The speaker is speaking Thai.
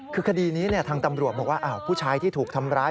คือคดีนี้ทางตำรวจบอกว่าผู้ชายที่ถูกทำร้าย